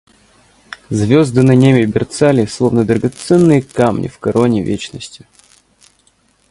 Звезды на небе мерцали, словно драгоценные камни в короне вечности.